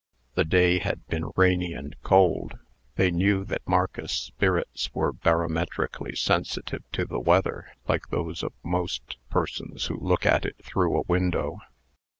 The day had been rainy and cold. They knew that Marcus's spirits were barometrically sensitive to the weather, like those of most persons who look at it through a window.